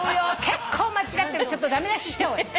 結構間違ってるちょっと駄目出しした方がいい。